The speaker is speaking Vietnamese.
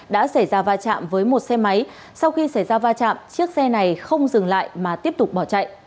đã xảy ra va chạm với một xe máy sau khi xảy ra va chạm chiếc xe này không dừng lại mà tiếp tục bỏ chạy